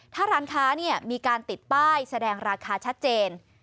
ถ้าร้านค้ามีการติดป้ายแสดงราคาชัดเจน